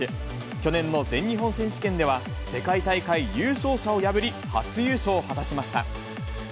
去年の全日本選手権では、世界大会優勝者を破り、初優勝を果たしました。